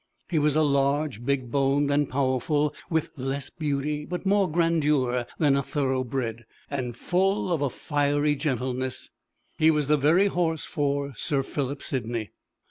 He was large, big boned, and powerful, with less beauty but more grandeur than a thoroughbred, and full of a fiery gentleness. He was the very horse for sir Philip Sidney!